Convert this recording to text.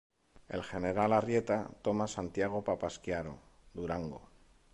El general Arrieta toma Santiago Papasquiaro, Durango.